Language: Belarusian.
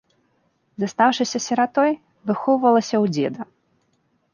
Застаўшыся сіратой, выхоўвалася ў дзеда.